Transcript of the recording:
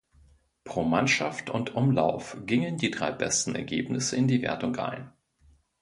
Pro Mannschaft und Umlauf gingen die drei besten Ergebnisse in die Wertung ein.